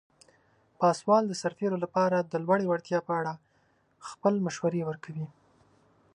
پاسوال د سرتیرو لپاره د لوړې وړتیا په اړه خپل مشورې ورکوي.